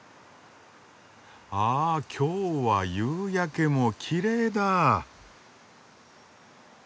ああきょうは夕焼けもきれいだ。